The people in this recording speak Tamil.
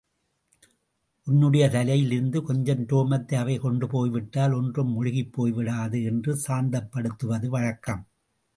உன்னுடைய தலையில் இருந்து கொஞ்சம் ரோமத்தை அவை கொண்டு போய்விட்டால் ஒன்றும் முழுகிப்போய் விடாது என்று சாந்தப்படுத்துவது வழக்கம்.